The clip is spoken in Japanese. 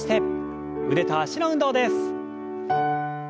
腕と脚の運動です。